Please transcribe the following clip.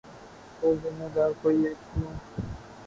تو ذمہ دار کوئی ایک کیوں؟